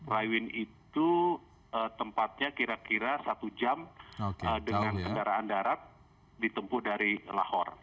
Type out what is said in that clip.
raiwin itu tempatnya kira kira satu jam dengan kendaraan darat ditempuh dari lahore